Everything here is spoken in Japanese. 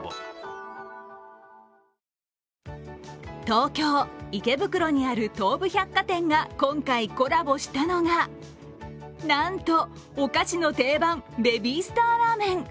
東京・池袋にある東武百貨店が今回コラボしたのがなんと、お菓子の定番、ベビースターラーメン。